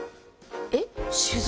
えっ取材？